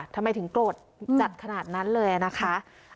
ทำไมถึงโกรธจัดขนาดนั้นเลยนะคะ